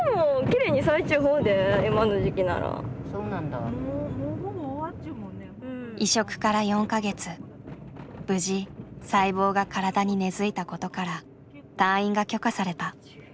無事細胞が体に根づいたことから退院が許可された。